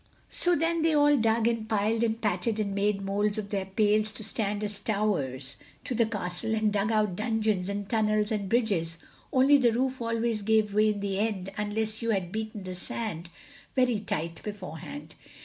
So then they all dug and piled and patted and made molds of their pails to stand as towers to the castle and dug out dungeons and tunnels and bridges, only the roof always gave way in the end unless you had beaten the sand very tight beforehand.